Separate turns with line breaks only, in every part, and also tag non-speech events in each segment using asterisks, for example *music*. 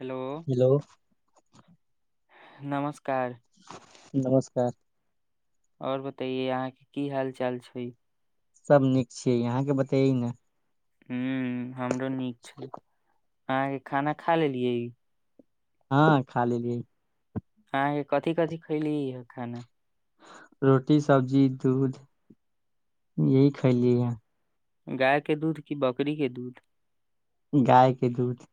hello
hello
नमस्कार
नमस्कार
आओर बतैयै अहाँके की हाल चाल छै
सब नीक छियै अहाँके बतैै ने
हू हमरो नीक छै अहाँके खाना खा लेलियै
हँ खाल लेलली ह
अह कथी कथिी खयली य खाना
रोटी सब्जी दूध यह खयलिय है
गायके दूध कि बकरीे दूध
गाय के दूध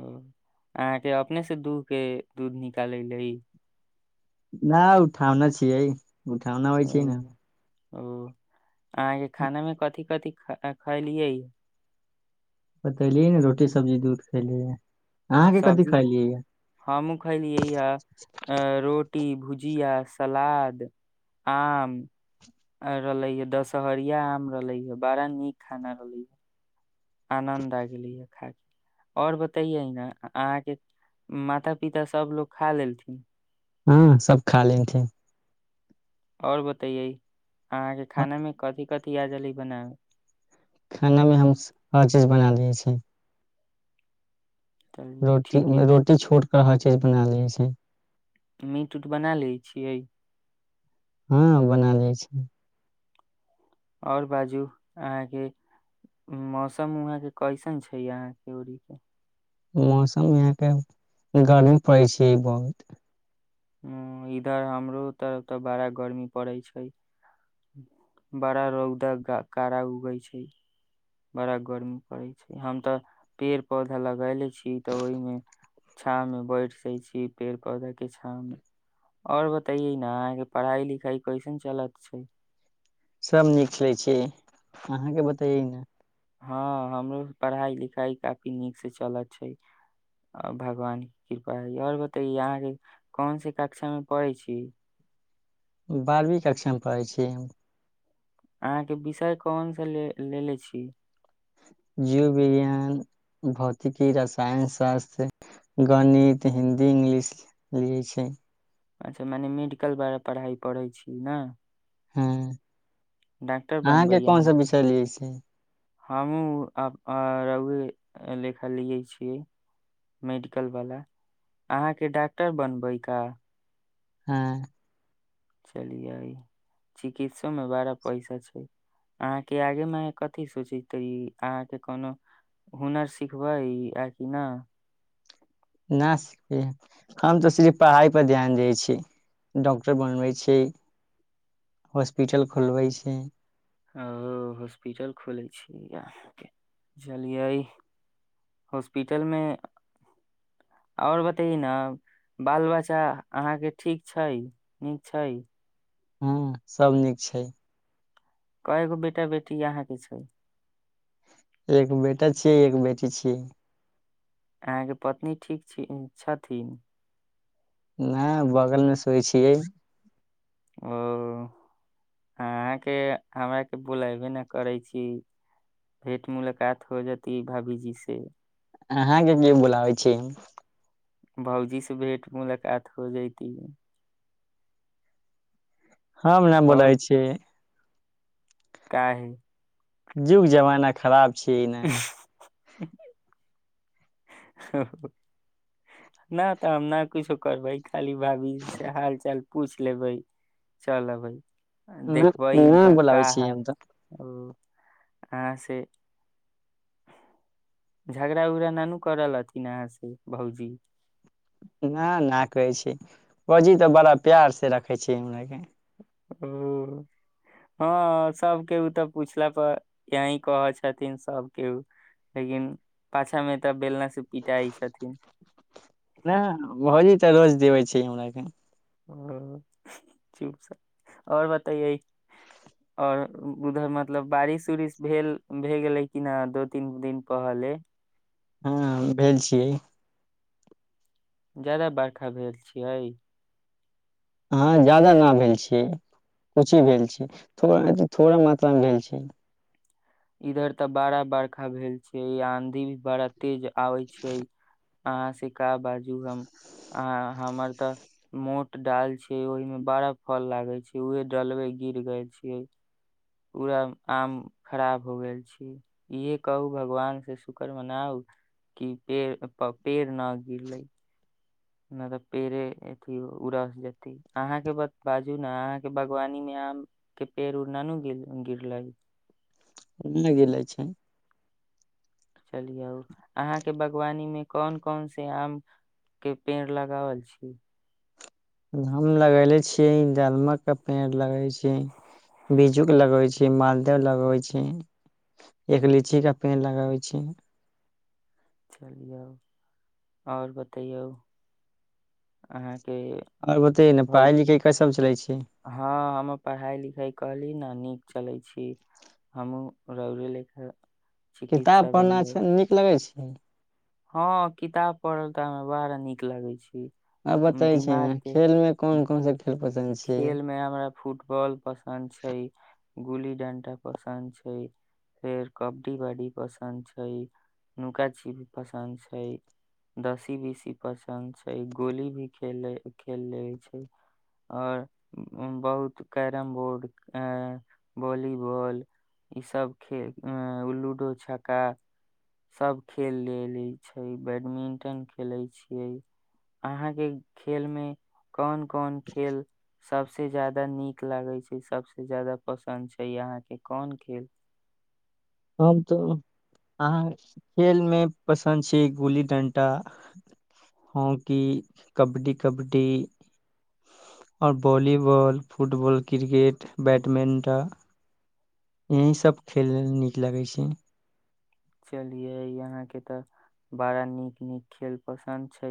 ओ अहाँके अपनेसँ दूहके दूध निकालै ल
नहि उठौने छियै उठौना होइ
ओ
छै ने
ओ अहाँके खाना में कथिी कथिी ख खलियै
बतैेली ने रोटी सब्जी दूध खयली
सब्जी हमूँ खाय लिय है अ रोट कोट्टी भुजिया सलाद आम रहलै ह दशहरिया आम रहलै ह बड़ा नीक खाना रहलै आनन्द आ गेलैए खा क आओर बतैयै ने अहाँके माता पिता सभ लोको खा लेलथिन
हँ सब खा लेनथिे
आओर बतैयए अहाँके खाना में कथिी कति आ रहले बनाबै
खानामे हम हर चीज बना लै छी
चलिय
रोटी
ठीके
रोटी छोड़ हर चीज बना लै छै
मीट उट बना लैत छियै
हँ बना लइ छै
आओर बाजू अहाँके मौसम वहाँके कैसन छै अहाँके उड़ीके
मौसम यहाँके गर्मी पड़ै छै बहुत
इधर हमरो तरफ तऽ बड़ा गर्मी पड़ै छै बड़ा रौदक कड़ा उगै छै बड़ा गर्मी पड़े छै हम तऽ पेड़ पौधा लगले छीिय तऽ ओहिमे छाँ मे बैठस छी पेड़ पौधा के आओर बताये न अहाँके पढ़ाई लिखाई कैसन चलत छै
सब नीक खेलैत छै अहाँके बतैै ने
हँ हमरो पढ़ाई लिखाई काफी नीक से चलत छै भगवान के कृपा आओर बतै अहाँके कोन से कक्षा मे पढ़े छी
बारहवीं कक्षामे पढ़ै छी हम
अहाँके विषय कोनसँ ले लेे छी
जीव विज्ञान भौतिकी रसायन शास्त्र गणित हिन्दी इंग्लिश ल छै
अच्छा मने मेडिकल बलाा पढ़ाइ पैत छी ने
हँ
डॉक्टर बनबै
कोन सा
अहाँके
विषय लियै छै
हमहुँ रह लेखा लियै छियै मेडिकलवला अहाँके डॉक्टर बनबै का
हँ
चलियै चिकित्सोमे बड़ा पैसा छै अहाँके आगेमे कथिी सोचेतै अहाँके कोनो हुनर सिखबै आ कि नहि
नहि हम तऽ सिफ पढ़ाइपर ध्यान दै छी डॉक्टर बनबै छै हॉस्पिटल खोलबै छै
ओ हॉस्पिटल खोलै छी अहाँके बुझलियै हॉस्पिटलमे आओर बतै ने बाल बच्चा अहाँके ठीक छै नीक छै
ह्म सभ नीक छै
कगो बेटा बेटी यहाँके छै
एक बेटा छियै एक बेटी छीियै
अहाँके पत्नी ठीक छथिन
नहि बगलमे सोै छियै
ओ अहाँके हमराके बोलयबे ने करै छी भेट मुलाकात हो जेती भाभीजी से
हहाँ ज बोलाबै छी
भौजी से भेट मुलाकात हो जाती है
हँ न बोलै छीियै
क ह
जुग जमाना खराब छी ने
नहि तऽ हम नहि किछो करबै खाली भाभीी से हाल चाल पूछि लेबै चल अबै
नहि
देखबनका क
बोलाबै छी
हाल
हम तऽ
आहाँ से झगड़ा उगड़ा नानू करल हथिन अहाँ से भउजी
न न करै छी पौजी तऽ बड़ा प्यार से रखै छी हमरा के
ओ हँ सब केहू तऽ पूछला पर यही कहै छथिन सब केहू लेकिन पाछा मे तऽ बेलना पिटाइ छथिन
ना भौजी त रोज देबै छै हमरा के
ओ चुप आओर बतैयै आओर उधर मतलब बारिश उरिश भेल भए गेलै कि न दू तीन दिन पहले
हँ भेल छियै
ज्यादा बरखा भेल छियै
हँ ज्यादा न भेल छियै कछी भेल छियै थोड़ अ थोड़ा मात्रामे भेल छै
इधर तऽ बड़ा बर्खा भेल छै आंधी भी बड़ा तेज आबै छै अहाँ से का बाजू हम अहाँ हमर तऽ मोट डाल छै ओहिमे बड़ा फल लागै छै उहे डलबे गिर गेल छियै पूरा आम खराब हो गेल छै इएह कहू भगवान से शुकर मनाउ कि पेड़ प पेड़ नऽ गिरलै नहि तऽ पेड़े अथि उड़स जेती अहाँके ब बाजू ने अहाँके बागवानी मे आम के पेड़ उड़ ना नु गिर गिरलै
नइ गिरले छै
चलियौ अहाँके बागवानीमे कोन कोन से आम के पेड़ लगावल छी
हम लगले छियै दालमक के पेड़ लगे छी बिज्जू के लगबै छी मालदह लगबै छी एक लीचीे पेड़ लगबै छी
चलियौ आओर बतैयो अहाँ के
और बतैये ने
भहु
पढ़ाई लिखाई कैसन चले छै
हँ हमर पढ़ाई लिखाई कहली न नीक चलै छी हमहुँ रौड़े लेखा
किताब
चिकित्सा
पढ़ना
बनबै
सँ नीक लगै छै *unintelligible*
हँ किताब पढ़ल तऽ हमरा बड़ा नीक लगै छै
आ बतबै छी न खेल मे कोन कोन सा खे
खेल मे आब हमरा फुटबॉल पसन्द छै गुल्ली डंटा पसन्द छै फेर कबड्डी ब्डी पसन्द छै नुका छिपी पसन्द छै दसी बिसी पसन्द छै गोली भी खेल लब खेल लबै छै आओर बहुत कैरम बोर्ड ऐ वॉलीबॉल ईसभ खे लूडो छक्का सभ खेल लैली छै बैडमिंटन खेलै छियै अहाँके खेल मे कौन कौन खेल सभसे ज्यादा नीक लागै छै सभसे ज्यादा पसन्द छै अहाँके कोन खेल
हम तऽ अहाँ खेलमे पसन्द छिये गुल्ली डण्टा हॉकी कबड्डी कबड्डी आओर वॉलीबॉल फुटबॉल क्रिकेट बैडमिंटन यहीसभ खेलैय लऽ नीक लगै छै
चलियै अहाँके तऽ बड़ा नीक नीक खेल पसन्द छै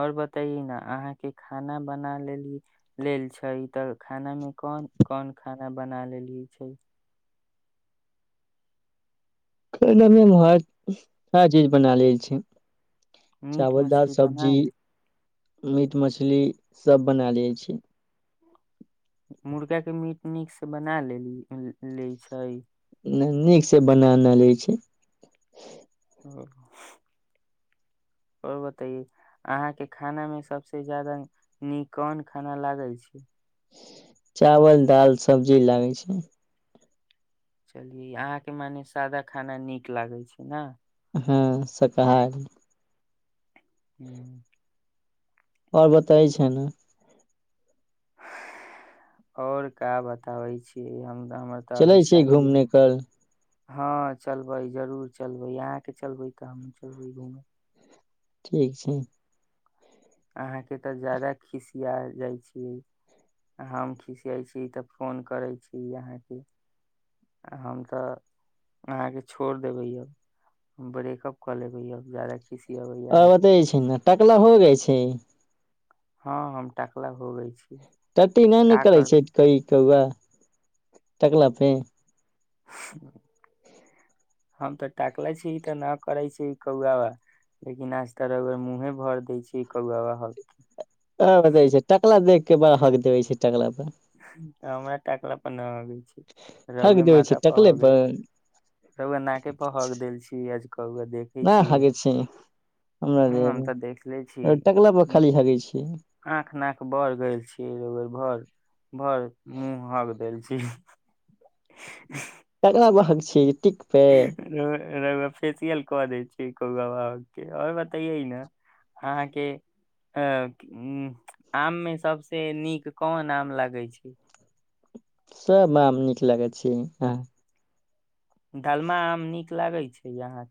आओर बतइये न अहाँके खाना बना लेली लेल छै तऽ खानामे कोन कोन खाना बना लेलियै छै
खाना मे हम हर चीज बना लिये छी
मीट
चावल दाल
मछली
सब्जी
बना ले-
मीट मछली सभ बना लिये छी
मुर्गा के मीट नीक से बना लेली लैऽ छै
नइ नीक से बना न लैइ छी
आओर बताइए अहाँके खाना मे सबस जादा निकन कौन खाना लागै छै
चावल दाल सब्जी लागै छै
चलियै अहाँके मने सादा खाना नीक लागै छै ना
हँ शाकाहार
हू
आओर बतैय छै न
आओर क बताबै छियै हम हमर तऽ
चलै
अभी
छै
शादिये
घूमने
मे
क
हँ चलबै जरूर चलबै अहाँके चलबै तऽ हमहूँ चलबै घूमय
ठीक छै
अहाँके तऽ ज्यादा खिसिया जाइत छीियै हम खिसियाैत छी तऽ फोन करैत छी अहाँके हम तऽ अहाँके छोड़ि देबै यब हम ब्रेकअप कऽ लेबै य ज्यादा खि
आ बतै छै ने टकला हो गइ छै छै
हँ हम टाकला हो गई छी
टी नहि ने
का
करै छै
करबै
कई कौआ टकलापे
*unintelligible* हम तऽ टाकले छी ई तऽ नहि करै छी ई कौआवा लेकिन आज तरर मुँहे भर दै छी ई कौआवा हकके
आै छै टकला देख के बाहक देबे छै टकला पर
हमरा टाकला पर न अगै छै
हक
रहुुए
देबै छै
माथा पर
टकले
हग रहुु नाक पर हक देल छी आज क देखे
न
छी
हगै छै हमरा
ह
देह
हम तऽ देखले छी
टकला पर खाली हगै छै
आँख नाक बर गेल छीियै बेर भर भर मुँह हक देल छी *unintelligible*
तरा भाग छीिय कटिक पे
रउआ फेसियल कऽ दै छैै कौआ बा के आओर बतैै ने अहाँके अ आम मे सभस नीक कोन आम लागै छै
सब हम नीक लगै छी
डालमा आम नीक लागैत छै अहाँके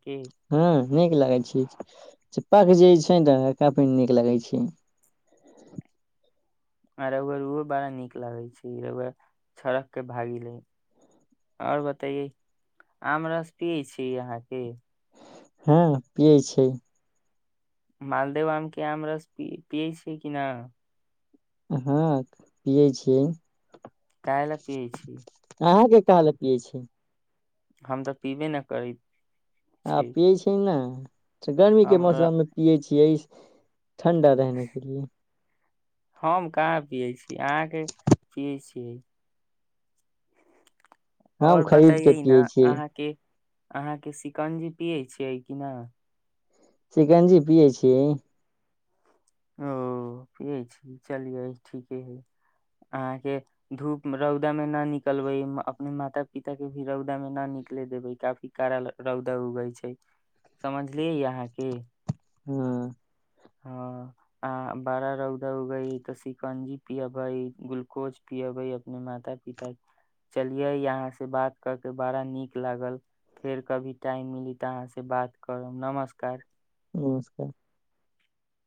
हँ नीक लागै छै पक जे छै ने त काफी नीक लागै छै
आ रहुुआल ओहो बड़ा नीक लागै छै रहुुआ छरक के भाग ले आओर बतये आम रस पियै छी अहाँके
हँ पी छै
मालदेव आके हमरा पी छी क न
हँ पियै छियै
खाय ल पियै छी
ताल पियए छी
हम तऽ पीबे ने करी
आ पियै छै ने तऽ गर्मीके
हम
मौसममे पियै छियै ठण्डा रहने के लिए
हम कहाँ पियै छी अहाँके पियै छियै
हम
आओर
खरीद के
बताइयै न
पियै छियै
अहाँके अहाँके शिकंजी पियैत छियै कि नहि
चिकंजी पियै छीिय
ओ पियै छी चलियै ठीके हइ अहाँके धूप रौदामे न निकलबै अपने माता पिता के भी रौदामे न निकले देबै काफी कड़ा रौदा उगै छै समझलियै अहाँके
हँ
हँ आ बड़ा रौदा उगे तऽ शिकंजी पियबै ग्लूकोज पियबे अपने माता पिता चलिये अहाँ से बात क के बड़ा नीक लागल फेर कभी टाइम मिली तऽ अहाँ से बात करब नमस्कार
नमस्कार